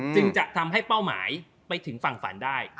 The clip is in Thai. จึงจะทำให้เป้าหมายไปถึงฝั่งฝันได้